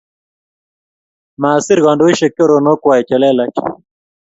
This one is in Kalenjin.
Masir kandoishek choronok kwai chelelach